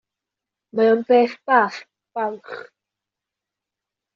Mae o'n beth bach balch.